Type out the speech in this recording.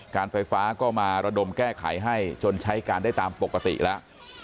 การไฟฟ้าก็มาระดมแก้ไขให้จนใช้การได้ตามปกติแล้ว